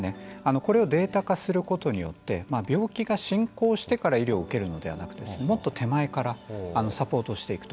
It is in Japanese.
これをデータ化することによって病気が進行してから医療を受けるのではなくてもっと手前からサポートしていくと。